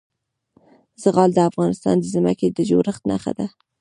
زغال د افغانستان د ځمکې د جوړښت نښه ده.